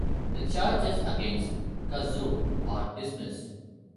The charges against Kazuo are dismissed.